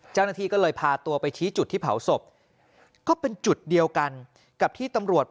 เจ้าหน้าที่ก็เลยพาตัวไปชี้จุดที่เผาศพก็เป็นจุดเดียวกันกับที่ตำรวจ